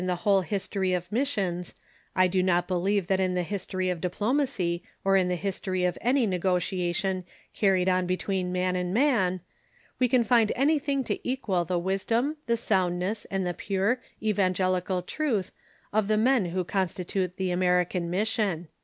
. the whole history of missions, I do not believe that in the history of diplomacy, or in the history of any negotiation car ried on between man and man, we can find anything to equal the wisdom, the soundness, and the pure, evangelical truth of the men who constitute the American mission."